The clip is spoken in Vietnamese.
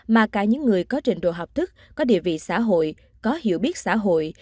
mà cả những người có trình độ học thức có địa vị xã hội có hiểu biết xã hội